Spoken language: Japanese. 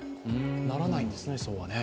ならないんですね、そうはね。